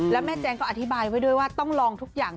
แล้วแม่แจงก็อธิบายไว้ด้วยว่าต้องลองทุกอย่าง